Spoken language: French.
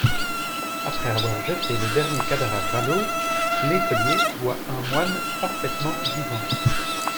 Après avoir jeté le dernier cadavre à l'eau, l'écolier voit un moine parfaitement vivant.